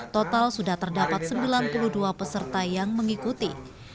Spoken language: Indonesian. total sudah terdapat sembilan puluh dua peserta yang mengikuti